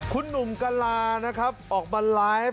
คุณหนุ่มกะลานะครับออกมาไลฟ์